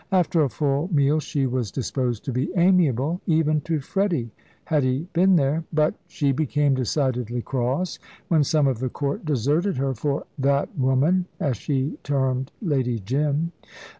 After a full meal she was disposed to be amiable, even to Freddy, had he been there; but she became decidedly cross when some of the court deserted her for "that woman," as she termed Lady Jim.